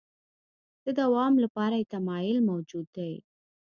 د دوام لپاره یې تمایل موجود دی.